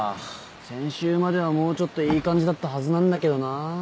先週まではもうちょっといい感じだったはずなんだけどな。